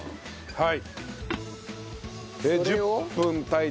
はい。